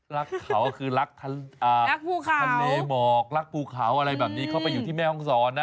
รักเขาคือรักทะเลหมอกรักภูเขาอะไรแบบนี้เข้าไปอยู่ที่แม่ห้องศรนะ